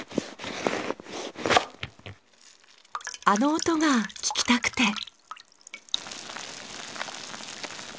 あの音が聞きたくて。